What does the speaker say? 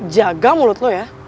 jaga mulut lu ya